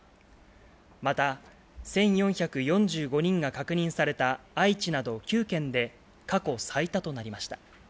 また１４４５人が確認された愛知など９県で過去最多となりました。